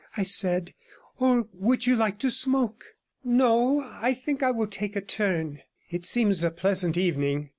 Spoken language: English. I said; 'or would you like to smoke?' 'No, I think I will take a turn; it seems a pleasant evening.